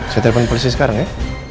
saya telepon polisi sekarang ya